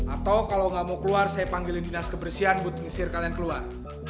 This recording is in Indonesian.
atau kalau nggak mau keluar saya panggilin dinas kebersihan butuh menyisir kalian keluar